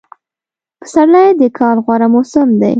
پسرلی دکال غوره موسم دی